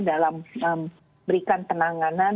dalam berikan penanganan